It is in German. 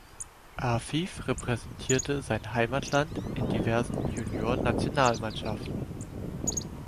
Afif repräsentierte sein Heimatland in diversen Juniorennationalmannschaften.